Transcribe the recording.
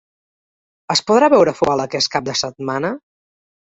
Es podrà veure futbol aquest cap de setmana?